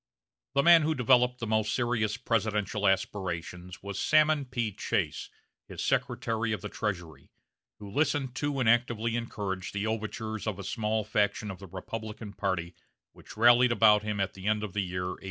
The man who developed the most serious presidential aspirations was Salmon P. Chase, his Secretary of the Treasury, who listened to and actively encouraged the overtures of a small faction of the Republican party which rallied about him at the end of the year 1863.